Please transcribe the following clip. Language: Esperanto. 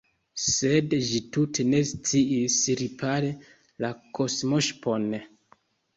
Sed, ĝi tute ne sciis ripari la kosmoŝipon.